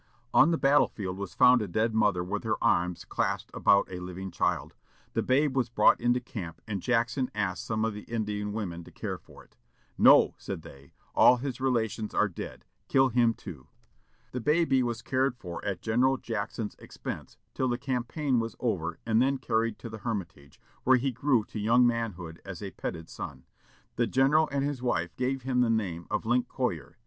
On the battle field was found a dead mother with her arms clasped about a living child. The babe was brought into camp, and Jackson asked some of the Indian women to care for it. "No!" said they, "all his relations are dead; kill him too." The baby was cared for at General Jackson's expense till the campaign was over, and then carried to the Hermitage, where he grew to young manhood as a petted son. The general and his wife gave him the name of Lincoyer.